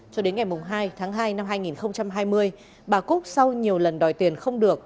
cho đến ngày hai tháng hai năm hai nghìn hai mươi bà cúc sau nhiều lần đòi tiền không được